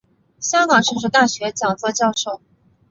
香港城市大学讲座教授。